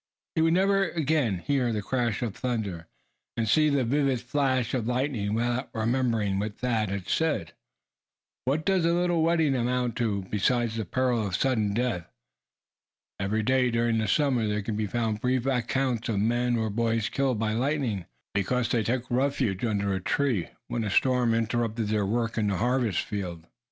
He would never again hear the crash of thunder, and see the vivid flash of lightning without remembering what Thad had said. And every boy should do the same; for what does a wetting amount to, beside the peril of sudden death? Every day during the summer there can be found brief accounts of men or boys killed by lightning, because they took refuge under a tree, when a storm interrupted their work in the harvest field.